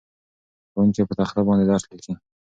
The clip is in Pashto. ښوونکی په تخته باندې درس لیکي.